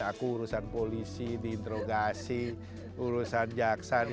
aku urusan polisi diinterogasi urusan jaksan